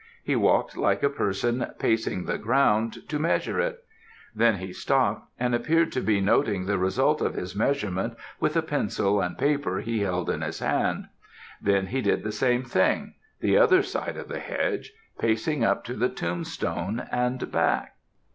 He walked like a person pacing the ground, to measure it; then he stopped, and appeared to be noting the result of his measurement with a pencil and paper he held in his hand; then he did the same thing, the other side of the hedge, pacing up to the tombstone and back.